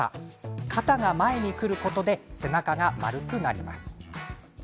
肩が前に来ることで背中が丸くなります。